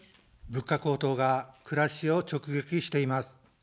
物価高騰が暮らしを直撃しています。